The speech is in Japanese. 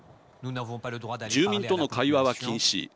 住民との会話は禁止。